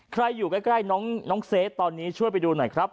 อยู่ใกล้น้องเซฟตอนนี้ช่วยไปดูหน่อยครับ